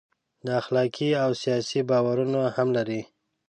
دا اخلاقي او سیاسي باورونه هم لري.